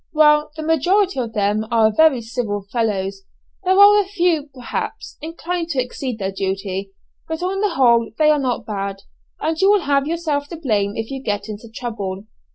"Well, the majority of them are very civil fellows; there are a few, perhaps, inclined to exceed their duty, but on the whole they are not bad, and you will have yourself to blame if you get into trouble.